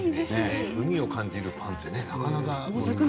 海を感じるパンってなかなかないね。